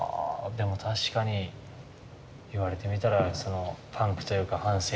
でも確かに言われてみたらパンクというか反勢力みたいな。